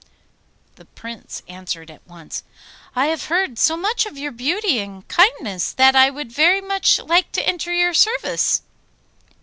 The Prince answered at once, 'I have heard so much of your beauty and kindness, that I would very much like to enter your service.